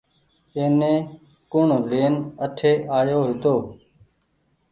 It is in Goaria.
ايني ڪوڻ لين اٺي آيو هيتو۔